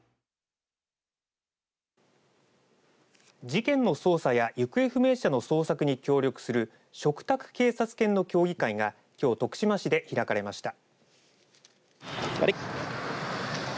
事件の捜査や行方不明者の捜索に協力する嘱託警察犬の協議会がきょう徳島市で開かれました。